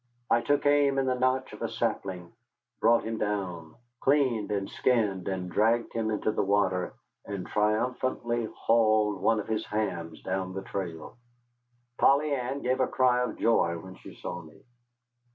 I took aim in the notch of a sapling, brought him down, cleaned and skinned and dragged him into the water, and triumphantly hauled one of his hams down the trail. Polly Ann gave a cry of joy when she saw me.